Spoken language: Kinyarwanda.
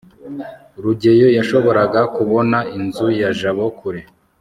rugeyo yashoboraga kubona inzu ya jabo kure